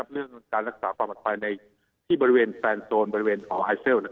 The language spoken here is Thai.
เรื่องจักรรรศาสนภาพปรากฏภายในบริเวณแฟนโซนเอาไอเซลส์